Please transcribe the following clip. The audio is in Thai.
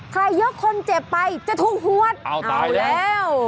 ใครยกคนเจ็บไปจะถูกฮวดเอาแล้วอ้าวตายแล้ว